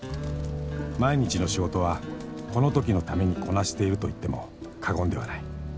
［毎日の仕事はこのときのためにこなしていると言っても過言ではない］